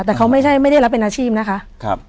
แต่เขาไม่ได้รับเป็นอาชีพนะคะ